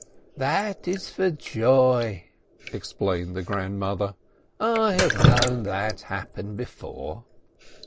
"That is for joy," explained the "grandmother," "I have known that happen before."